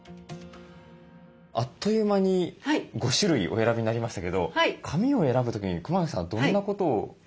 あっという間に５種類お選びになりましたけど紙を選ぶ時に熊谷さんはどんなことを。